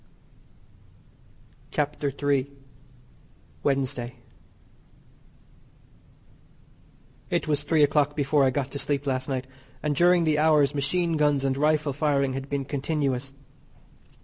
CHAPTER III WEDNESDAY It was three o'clock before I got to sleep last night, and during the hours machine guns and rifle firing had been continuous.